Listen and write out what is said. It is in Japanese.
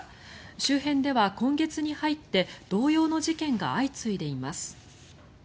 周辺では今月に入って同様の事件が相次いでいます。